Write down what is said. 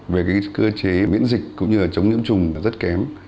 về cái cơ chế miễn dịch cũng như là chống nhiễm trùng là rất kém